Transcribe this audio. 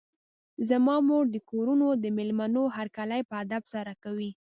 زما مور د کورونو د مېلمنو هرکلی په ادب سره کوي.